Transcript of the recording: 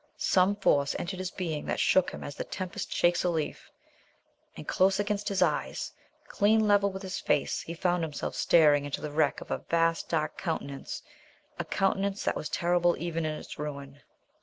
Some force entered his being that shook him as the tempest shakes a leaf, and close against his eyes clean level with his face he found himself staring into the wreck of a vast dark Countenance, a countenance that was terrible even in its ruin.